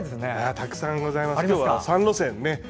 たくさんございます。